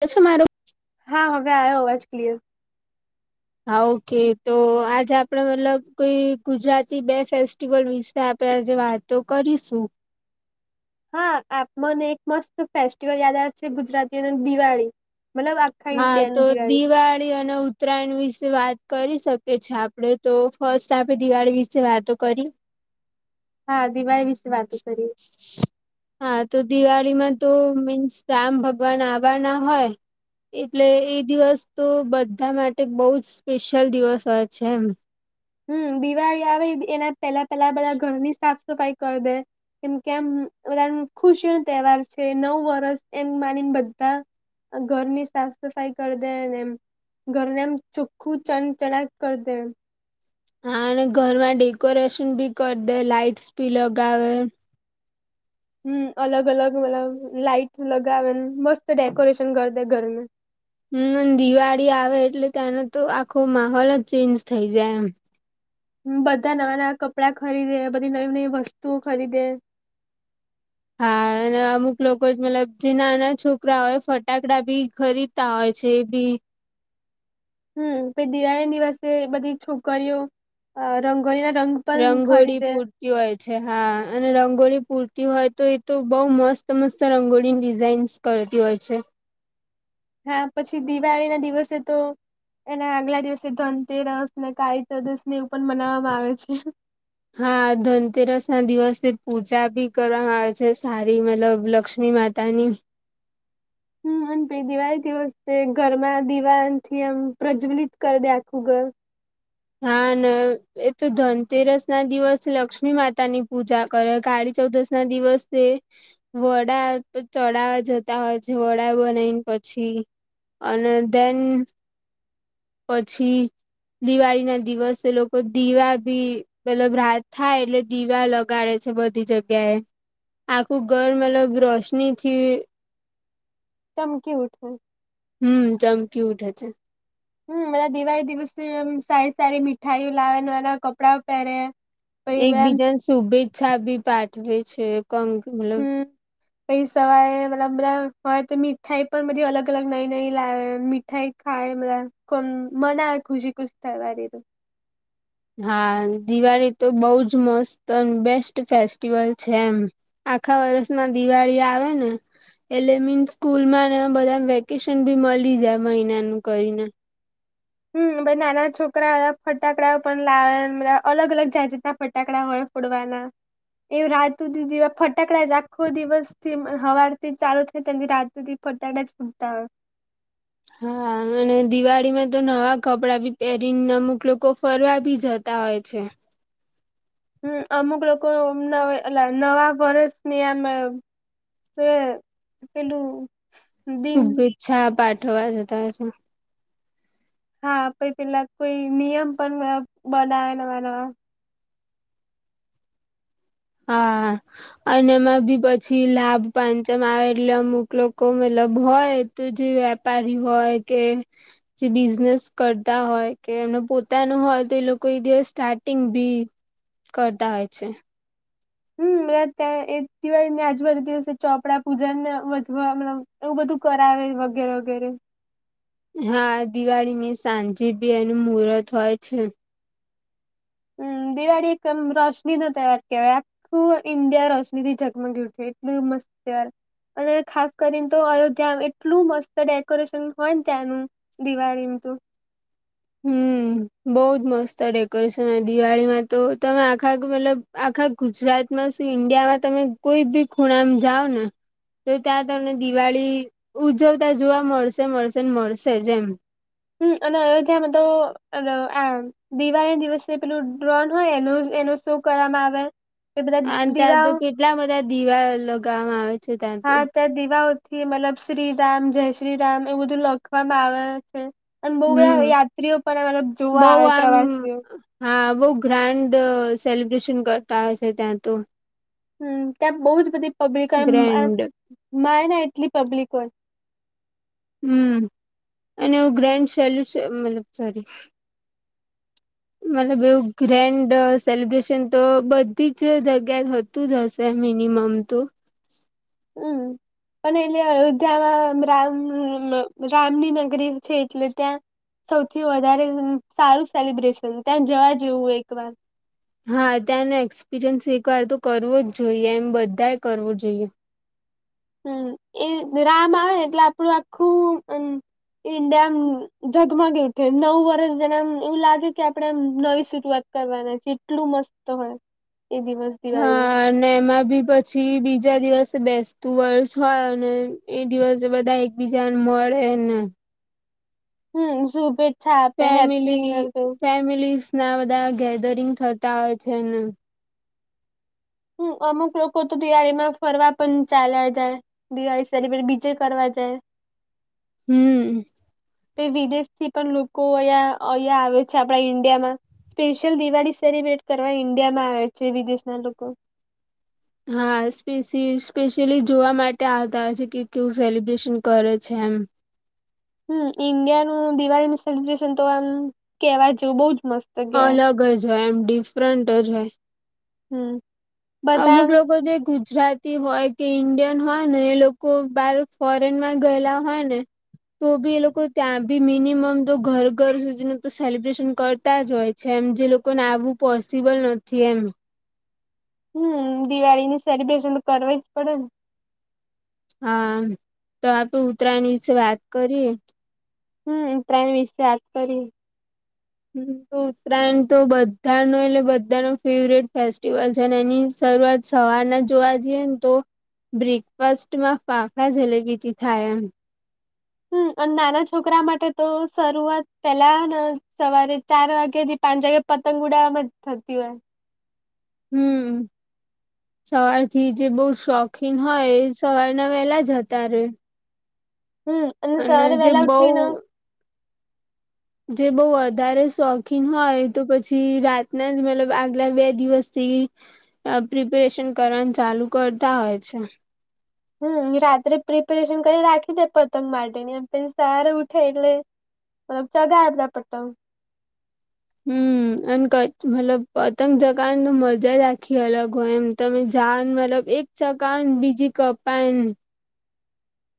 પછ મારો હા હવે આયો અવાજ ક્લીયર હા ઓકે તો આજે આપડે મતલબ કોઈ ગુજરાતી બે ફેસ્ટિવલ વિશે આપે આજે વાત તો કરીશું. હા આપ મને એક મસ્ત ફેસ્ટિવલ યાદ આવે છે ગુજરાતી અને દિવાળી મતલબ આખા હા ઈન્ડિયાની તો દિવાળી અને ઉત્તરાયણ વિશે વાત કરી શકીએ છીએ આપડે તો ફસ્ટ આપે દિવાળી વિશે વાતો કરી. હા દિવાળી વિશે વાતો કરીએ. હા તો દિવાળીમાં તો મીન્સ રામ ભગવાન આવવા ના હોય. એટલે એ દિવસ તો બધા માટે બહુ જ સ્પેશિયલ દિવસ હોય છે એમ. હમ દિવાળી આવે એના પેલા પેલા બધા ઘરની સાફ સફાઈ કરી દે. કેમ કેમ બધા ખુશી ન તહેવાર છે નવુ વર્ષ એમ માનીને બધા ઘરની સાફ સફાઈ કરી દે ને એમ. ઘરને એમ ચોખ્ખું ચન ચણાટ કરી દે હા અને ઘરમાં ડેકોરેશન ભી કરી દે લાાઈટસ ભી લગાવે. હમમ અલગ અલગ મતલબ લાઈટ લગાવેન મસ્ત ડેકોરેશન કરી દે ઘર હમ દિવાળી આવે એટલે ત્યાંનો તો આખો માહોલ જ ચેન્જ થઇ જાય એમ. બધા નવા નવા કપડા ખરીદે બધી નવી નવી વસ્તુઓ ખરીદે. હા અને અમુક લોકો જ મતલબ જે નાના છોકરા હોય ફટાકડા બી ખરીદ તા હોય છે એ બી. હમ પ દિવાળી દિવસે બધી છોકરીઓ રંગોળી ના રંગ પણ રંગોળી ખરીદે કરતી હોય છે હા અને રંગોળી પૂરતી હોય તો એ તો બઉ મસ્ત મસ્ત રંગોળીની ડિઝાઇન્સ કરતી હોય છે. હા પછી દિવાળી ના દિવસે તો એના આગલા દિવસે ધનતેરસ ને કાળી ચૌદશ ને એવું પણ મનાવવામાં આવે છે. હા ધનતેરસ ના દિવસે પૂજા ભી કરવામાં આવે છે સારી મતલબ લક્ષ્મી માતા તા ની હમ પ દિવાળીથી વસ ઘરમાં દિવાન થી એમ પ્રજ્વલિત કર દે આખું ઘર. હા ન એ તો ધનતેરસ ના દિવસે લક્ષ્મી માતા ની પૂજા કરે કાળી ચૌદશ ના દિવસે વડા તો ચડાવવા જતા હોય છે વડા બનાવીને પછી અને દેન પછી દિવાળી ના દિવસે લોકો દીવા ભી પેલ રાત થાય એટલે દીવા લગાડે છે બધી જગ્યા એ આખું ઘર મતલબ રોશનીથી ચમકી ઉઠે. હમ ચમકી ઉઠે છે. હમ એ દિવાળી દિવસે સારી- સારી મીઠાઈઓ લાવે, નવા- નવા કપડા પહેરે. પહિ એમ એકબીજાને શુભેચ્છા બી પાઠવે છે કંગ મતલબ હમ પછી સવારે મલબ બધા હોય તો મીઠાઈ પણ બધી અલગ - અલગ, નઈ - નઈ લાવે થાઈ ખાય બધા કો મના આવે ખુશી ખુશ થવા હા દિવાળી તો બવ જ મસ્ત અને બેસ્ટ ફેસ્ટિવલ છે. એમ. આખા વર્ષમાં દિવાળી આવે ને એટલે મીન્સ સ્કૂલ માં ને બધા વેકેશન ભી મળી જાય મહિનાનું કરીને. હમ નાના છોકરાઓ ફટાકડાઓ પણ લાવે અલગ અલગ જાજતના ફટાકડા હોય. ફોડવાના એવું રાતુ દીદી ફટાકડા રાખો દિવસ થી હવાથી ચાલુ થાય ત રાતૂદી ફટાટા જુટતા હો હા અને દિવાળી માં તો નવા કપડાં ભી પહેરીને અમુક લોકો ફરવા બી જત તા હોય છે. હમ અમુક લોકો એ નવા વર્ષની આમ તે પહેલુ શુભેચ્છા પાઠવવા જતા હોય છે. હા પહિ પેલા કોઈ નિયમ પણ બનાવે નવા-નવા હા અને એમાં બી પછી લાભ પાંચમ આવે એટલે અમુક લોકો મતલબ હોય. તો જે વેપારી હોય કે જે બિઝનેસ કરતા હોય કે એમનો પોતાનુ હોય, તો એ લોકો એ દવાય સ્ટાર્ટિંગ ભી કરતા હોય છે. હમ ત્યાં એ દિવાય ને આજુબાજુ દિવસે ચોપડા પૂજન વધવા મત એવું બધું કરાવે વગેરે વગેરે હા દિવાળીની સાંજે બી એનું મુહૂર્ત હોય છે. હમ દિવાળી એકમ રોશની નો તહેવાર કેવાય. હુ ઈન્ડિયા રોશનીથી ચકમગી ઉઠ એટલુ મસ્ત યાર અને ખાસ કરીને તો અયોધ્યા એટલું મસ્ત ડેકોરેશન હોય, ને ત્યાંનુ દિવાળીનો તો હમ બોવ જ મસ્ત આ ડેકોરેશન હોય, દિવાળીમાં તો તમે આખાખ મતલબ આખા ગુજરાતમાં શું ઈન્ડિયામાં તમે કોઈ બી ખૂણામાં જાઓ ને તો ત્યાં તમને દિવાળી ઉજવતા જોવા મળશે મળશે મળશે જ જેમ હમ અને અયોધ્યામાં તો આ દિવાળને દિવસ પેલું ડ્રોન હોય, એનો એનો શો કરવામાં આવે એ બધા અને ત્યાં દીવા તો કેટલા બધા દીવા લગાવવામાં આવે છે ત્યાં તો હા ત્યાં દીવાઓથી મતલબ શ્રીરામ, જય શ્રી રામ એવું બધું લખવામાં આવે છે. અને બહુ હમ બધા યાત્રીઓ પણ મલબ જોવા બઉ આવે આમ પ્રવાસીઓ હા બઉ ગ્રાન્ડ સેલિબ્રેશન કરતા હોય છે. ત્યાં તો હમ ત્યાં બહુ જ બધી પબ્લિકો હોય, ગ્રેન્ડ માય ના એટલી પબ્લિક હોય. હમ અને એવું ગ્રાન્ડ સેલ્યુસ મતલબ સોરી મતલબ એવું ગ્રેન્ડ સેલિબ્રેશન તો બધી જ જગ્યા જ હ તું જ હશે મિનિમમ તો અ હ પણ એટલે અયોધ્યામાં રામ રામની નગરી છે. એટલે ત્યા સૌથી વધારે સારું સેલિબ્રેશન, ત્યાં જવા જેવુ, હો એક વાર હા ત્યાંનો એક્સપિરિયન્સ એક વાર તો કરવો જ જોઈએ. એમ બધા કરવું જોઈએ. હમ એ રામ આવે એટલે આપડું આખુ ઈન્ડિયામ જગમગી ઉઠે. નવું વર્ષ જેનેમ એવુ લાગે કે આપડેમ નવી શરૂઆત કરવાના છે એટલું મસ્ત હોય, એ દિવસ દિવાળી નો હા અને એમાં બી બ પછી બીજા દિવસે બેસતું વર્ષ હોય, અને એ દિવસે બધા બીજાને મળેને હમ શુભેચ્છા આપે ફેમિલી હેપપીનીગર દવ ફેમિલીસ ના બધા ગેધરિંગ થતા હોય છેને. હમ અમુક લોકો તો દિવાળીમાં ફરવા પણ ચાલ્યા જાય. દિવાળી સેલિબ્રેટ બીજે કરવા જાય હમ્મ તે વિદેશથી પણ લોકો અહિયાં અહિયાં આવે છે આપણા ઈન્ડિયામાં. સ્પેશિયલ દિવાળી સેલિબ્રેટ કરવા ઈન્ડિયામાં આવે છે વિદેશનાં લોકો. હા સ્પેસી સ્પેશિયલી જોવા માટે આવતા હોય છે કે કેવું સેલિબ્રેશન કરે છે એમ. હમ્મ, ઈન્ડિયાનું દિવાળીનું સેલિબ્રેશન તો આમ કેવાય જેવું બઉ જ મસ્ત. કેવાય અલગ જ હોય એમ ડિફરન્ટ જ હોય. હમ્મ. અમુક લોકો જે ગુજ ગુજરાતી હોય કે ઈન્ડિયન હોય ને એ લોકો બહાર ફોરેનમાં ગયેલા હોય ને તો ભી એ લોકો ત્યાં ભી મિનિમમ તો ઘર ઘર સુધીનું તો સેલિબ્રેશન કર તા જ હોય છે એમ જે લોકોને આવવું પોસિબલ નથી એમ. હમ્મ, દિવાળીની સેલિબ્રેશન તો કરવી જ પડે ને. હા તો આપણે ઉત્તરાયણ વિશે વાત કરીએ. હમ્મ ત્રણ વિશે વાત કરીએ. હમ્મ ઉત્તરાયણ તો બધાનો એટલે બધાનો ફેવરેટ ફેસ્ટિવલ છે અને એની શરૂઆત સવારના જોવા જઈએ ને તો બ્રેકફાસ્ટમાં ફાફડા જલેબીથી થાય એમ. હમ્મ અને નાના છોકરા માટે તો શરૂઆત પેહલાં હને સવારે ચાર વાગ્યાથી પાંચ વાગ્યે પતંગ ઉડાડવામા જ થતી હોય. હમ્મ. સવારથી જે બહુ શોખીન હોય સવારનાં વહેલાં જતાં રે. હમ્મ અને સવારે જે વેહલા બઉ ઉઠીને જે બઉ વધારે શોખીન હોય તો પછી રાતનાં જ મતલબ આગલા બે દિવસથી અ પ્રિપેરેશન કરવાનું ચાલુ કરતાં હોય છે. હમ રાત્રે પ્રિપરેશન કરી રાખ્યુ છે પતંગ માટેની અને પછી સવારે ઉઠે એટલે મતલબ ચગાવે ત્યાં પતંગ. હમ્મ. અને કઈ મતલબ પતંગ જગાવાની તો મજા જ આખી અલગ હોય એમ તમે જાવને મતલબ એક ચગાવન બીજી કપાયન.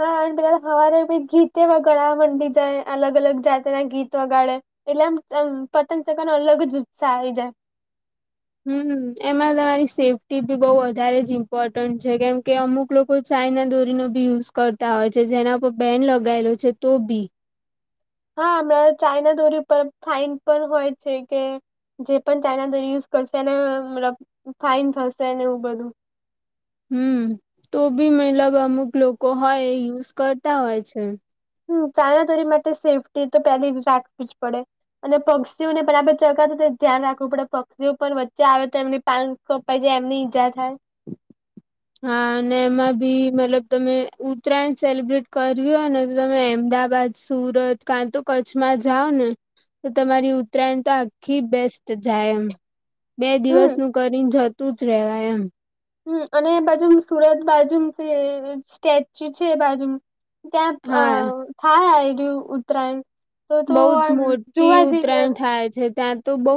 હા તો પેહલા હવારે બી ગીતે વગાડવા માંડી જાય અલગ અલગ જાતના ગીત વગાડે. એટલે આમ આમ પતંગ ચતંગ ચગાવવાનો અલગ જ ઉત્સાહ આવી જાય. હમ્મ, એમાં તમારી સેફ્ટી ભી બઉ વધારે જ ઈમ્પોર્ટન્ટ છે કેમ કે અમુક લોકો ચાયના દોરીનો બી યુઝ કરતા હોય છે જેના પર બેન લગાયેલો છે તો બી. હા હમણાં તો ચાઈના દોરી ઉપર ફાઇન પણ હોય છે કે જે પણ ચાઈના દોરી યુઝ કરશે એને મલતબ ફાઈન થશે એવું બધું. હમ્મ તો બી મતલબ અમુક લોકો હોય એ યુઝ કરતા હોય છે. હમ્મ, તાયાતોરી માટે સેફ્ટી તો પેહલી જ રાખવી જ પડે. અને પક્ષીઓને પણ આપણે ચરતાં વખતે ધ્યાન રાખવું પડે પક્ષીઓ પણ વચ્ચે આવે તો એમની પાન કપાઈ જાય એમની ઈજા થાય. હા અને એમાં બી મતલબ તમે ઉત્તરાયણ સેલિબ્રેટ કર્યું હોયને તો તમે એમદાબાદ સુરત કાંતો કચ્છમાં જાવને તો તમારી ઉત્તરાયણ તો આખી બેસ્ટ જાય એમ. બે હમ દિવસનું કરીન જતું જ રહેવાય એમ. હમ્મ અને એ બાજુ સુરત બાજુ મ તી સ્ટેચ્યુ છે એ બાજુમ ત્યાં અ હા થાહે આ રહયું ઉત્તરાયણ તો તો બઉ જ આમ મોટી જોવા જ ઉતરાયણ થાય છે ત્યાં તો બઉ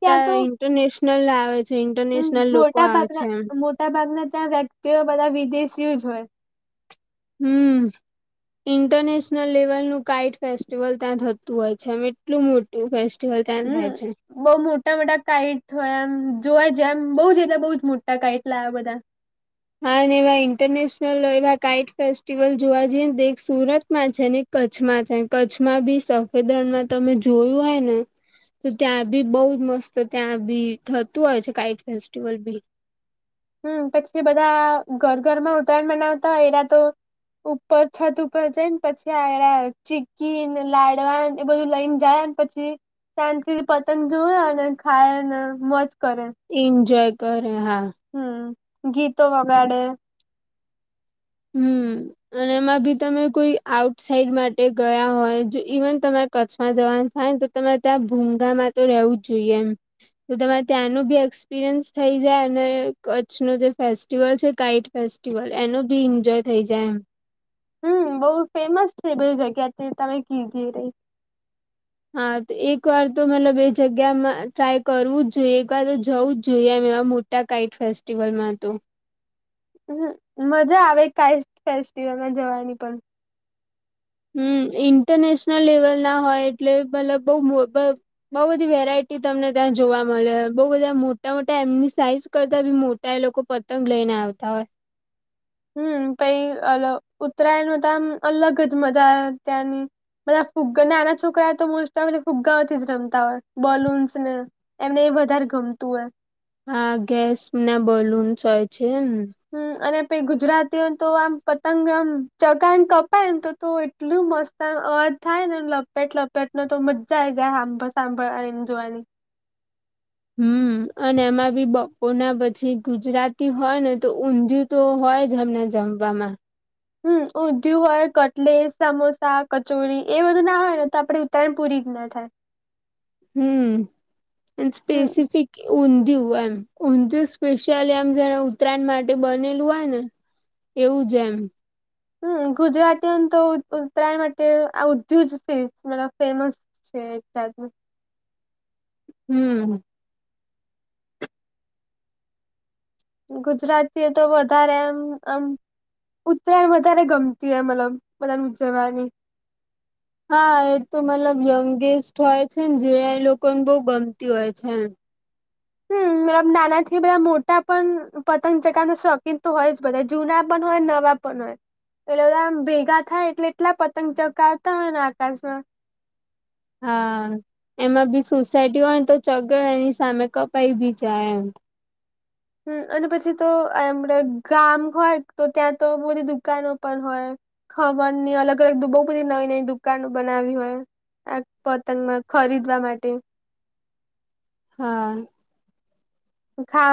ત્યાં તો ર નેશનલ આવે છે ઈન્ટરનેશનલ લોકો મોટા આવે છે એમ. ભાગના મોટા ભાગના ત્યાં વ્યક્તિઓ બધા વિદેશીઓ જ હોય. હમ્મ, ઈન્ટરનેશનલ લેવલનું કાઇટ ફેસ્ટિવલ ત્યાં થતું હોય છે એમ એટલું મોટું ફેસ્ટિવલ ત્યાં થાય હમ છે. બઉ મોટા મોટા કાઈટ હોય એમ જોવાય જાય એમ બહુ જ એટલે બઉ જ મોટા કાઉટ લાવે બધાં. હા અને એવા ઈન્ટરનેશનલ એવા કાઈટ ફેસ્ટિવલ જોવા જઈએ ને તો એક સુરતમાં છે ને એક કચ્છમાં છે કચ્છમાં બી સફેદ રણમાં તમે જોયું હોય ને તો ત્યાં બી બઉ જ મસ્ત ત્યાં બી થતું હોય છે કાઇટ ફેસ્ટિવલ બી. હમ પછી બધા ઘર ઘરમાં ઉત્તરાયણ બનાવતા હોય એના તો ઉપર છત ઉપર જાય ને પછી આગળ ચીકીને લાડવાન એ બધું લઈને જાય ને. પછી શાંતિથી પતંગ જોએ અને ખાય અને મજ કરે એન્જોય કરે હા. હમ્મ ગીતો વગાડે. હમ્મ. અને એમાં બી તમે કોઈ આઉટ સાઇડ માટે ગયા હોય જો ઈવન તમારે કચ્છમાં જવાનું થય તો. તમારે ત્યાં ભૂંગામાં તો રહેવું જ જોઈએ એમ તો તમારે ત્યાંનું બી એક્સપિરિયન્સ થઈ જાય અને કચ્છ ન જે ફેસ્ટિવલ છે કાઇક ફેસ્ટિવલ એનો ભી એન્જોય થઈ જાય એમ. હમ બઉુ ફેમસ છે બધ જગ્યાથી તમે કીધ રહી. હા તો એક વાર તો મતલ બે જગ્યામાં ટ્રાય કરવું જ જોઈએ એક વાર તો જવું જ જોઈએ એમ એવાટ કઇટ ફેસ્ટિવલમાં હતું. હમ મજા આવે કઈ ફેસ્ટિવલમાં જવાની પણ હમ ઇન્ટરનેશનલ લેવલ ના હોય એટલે મતલબ બઉ બઉ બધી વેરાયટી તમને ત્યાં જોવા મળે બઉ બધા મોટા મોટા એમની સાઈઝ કરતા બી ત્યાં એ લોકો પતંગ લઈ ને આવતા હોય. હમ પ અલ ઉત્તરાયણ ન તો આમ અલગ જ મજા ત્યાંની બધા ફુગ્ગા ને નાના છોકરા તો મોસ્ટ ફુગ્ગાઓથી જ રમતા હોય બલૂન્સ ને એમને એ વધારે ગમતું હોય. હા ગેસ ને બલૂનસ હોય છેને. હમ અને પ ગુજરાતીઓ તો આમ પતંગ આમ ચગ કપાય ને તો એટલું મસ્ત અવાજ થાય ને લપેટ લપેટ ન તો મજા આ આવી જાય સાંભળ સાંભળ આવીને જોવાની. હમ્મ. અને એમાં બી બપોર ના પછી ગુજરાતી હોય ને તો ઊંધિયું તો હોય જ હમણાં. [unintelligible] હમ ઉઊંધયું હોય કટલે સમોસા કચોરી એ બધું ના હોય ને તો આપે તરણ પૂરીતના થાય. હમ્મ એ હમ સ્પેસિફિક. ઊંધિયું એમ ઊંધિયું સ્પેશિયલ એમ જેને ઉત્તરાયણ માટે બનેલું હોય ને એવું જ એમ હમ ગુજરાતી તો ઉત્તરાયણ માટે આ ઉધુજ મબ ફેમસ. [unintelligible] હમ્મ. ગુજરાતી એ તો વધારે એમ આમ ઉદ્યાન વધારે ગમતી એ મતલબ મધ ઉદ જગની હા એ તો મતલબ યંગેસ્ટ હોય છે ને જે લોકોને બહુ ગમતી હોય છે હમ મતલબ નાના થી બધા મોટા પણ પતંગ ચગાવવાના શોખીન તો હોય જ બધા જૂના પણ હોય નવા હો પલે બધામ ભેગા થાય એટલે એટલા પતંગ ચોકાવતા હોય ને આકાશમાં હા એમાં બી સોસાયટી હોયને તો ચગે એની સામે કપાઈ બી જાય એમ હમ અને પછી તો એમડ ગામ હોય તો ત્યાં તો બધી દુકાનો પણ હોય ખવાનની અલગ અલગ બહુ બધી નવી નવી દુકાનો બનાવી હોય આ પતંગમાં ખરીદવા માટે હા. [inaudible]